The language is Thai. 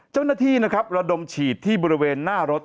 เจ้าหน้าที่นะครับระดมฉีดที่บริเวณหน้ารถ